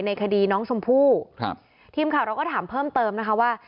คดีน้องชมพู่ครับทีมข่าวเราก็ถามเพิ่มเติมนะคะว่า